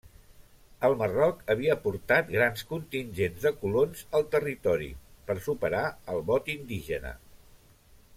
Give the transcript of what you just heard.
El Marroc havia portat grans contingents de colons al territori per superar el vot indígena.